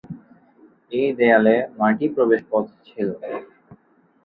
এই দেয়ালে নয়টি প্রবেশপথ ছিল।